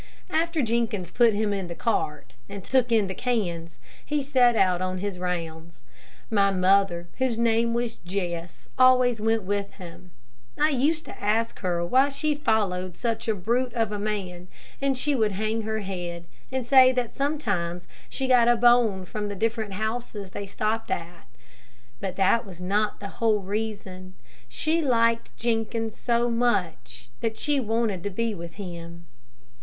After Jenkins put him in the cart, and took in the cans, he set out on his rounds. My mother, whose name was Jess, always went with him. I used to ask her why she followed such a brute of a man, and she would hang her head, and say that sometimes she got a bone from the different houses they stopped at. But that was not the whole reason. She liked Jenkins so much, that she wanted to be with him.